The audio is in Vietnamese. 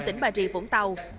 tỉnh bà rê vũng tàu